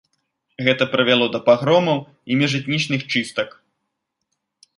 Гэта прывяло да пагромаў і міжэтнічных чыстак.